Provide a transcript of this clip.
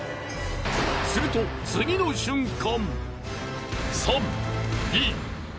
すると次の瞬間。